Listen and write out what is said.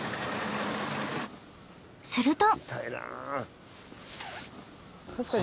すると。